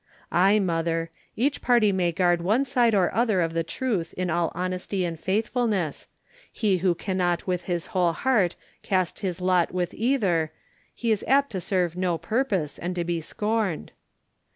"Ay, mother. Each party may guard one side or other of the truth in all honesty and faithfulness; he who cannot with his whole heart cast in his lot with either,—he is apt to serve no purpose, and to be scorned."